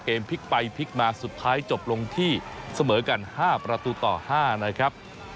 พลิกไปพลิกมาสุดท้ายจบลงที่เสมอกัน๕ประตูต่อ๕นะครับ